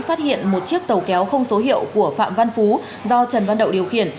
phát hiện một chiếc tàu kéo không số hiệu của phạm văn phú do trần văn đậu điều khiển